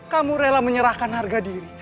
kamu rela menyerahkan harga diri